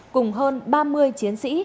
cùng hơn ba mươi chiến sĩ